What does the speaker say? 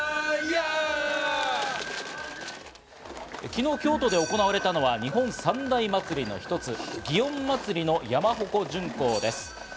昨日、京都で行われたのは日本三大祭りの一つ、祇園祭の山鉾巡行です。